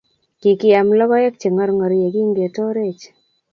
Kikiam logoek che ng'orng'or yekingetorech.